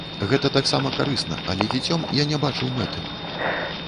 Гэта таксама карысна, але дзіцём я не бачыў мэты.